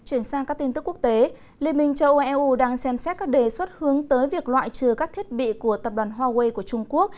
liên minh châu âu đang xem xét các đề xuất hướng tới việc loại trừ các thiết bị của tập đoàn huawei của trung quốc